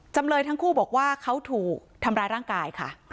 จำเลยทั้งคู่บอกว่าเขาถูกทำร้ายร่างกายค่ะ